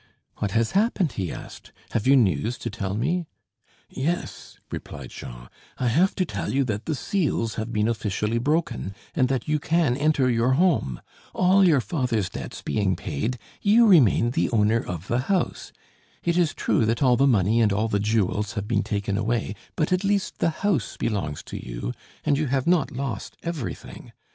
"What has happened?" he asked; "have you news to tell me?" "Yes," replied Jean; "I have to tell you that the seals have been officially broken and that you can enter your home. All your father's debts being paid, you remain the owner of the house. It is true that all the money and all the jewels have been taken away; but at least the house belongs to you, and you have not lost everything.